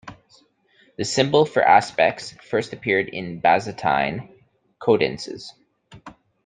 The symbols for aspects first appear in Byzantine codices.